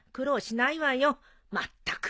まったく。